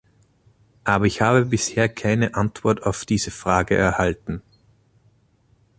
Aber ich habe bisher keine Antwort auf diese Frage erhalten.